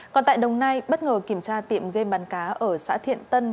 còn tại đồng nai bất ngờ kiểm tra tiệm game bắn cá ở xã thiện tân